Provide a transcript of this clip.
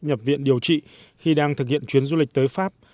nhập viện điều trị khi đang thực hiện chuyến du lịch tới pháp